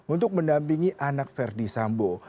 untuk mendampingi anak ferdisambo